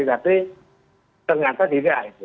tapi ternyata tidak